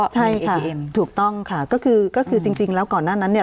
ใช่ค่ะถูกต้องค่ะก็คือจริงแล้วก่อนหน้านั้นเนี่ย